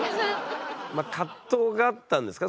葛藤があったんですか？